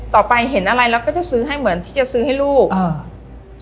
ต่อไปเห็นอะไรเราก็จะซื้อให้เหมือนที่จะซื้อให้ลูกอ่า